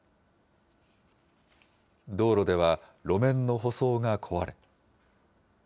道路では路面の舗装が壊れ。